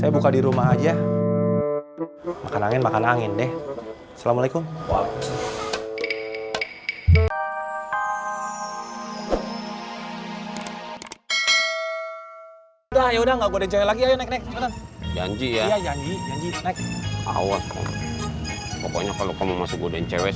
bukan kamu mah